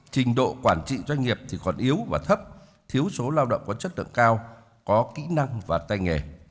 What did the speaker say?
trình độ quản trị doanh nghiệp thì còn yếu và thấp thiếu số lao động có chất lượng cao có kỹ năng và tay nghề